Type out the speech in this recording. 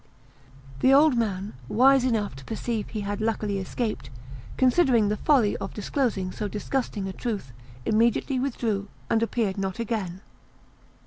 The old man, wise enough to perceive he had luckily escaped, considering the folly of disclosing so disgusting a truth, immediately withdrew, and appeared not again.